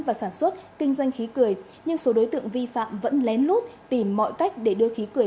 và sản xuất kinh doanh khí cười nhưng số đối tượng vi phạm vẫn lén lút tìm mọi cách để đưa khí cười